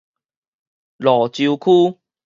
蘆洲區